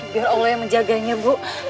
biar allah yang menjaganya bu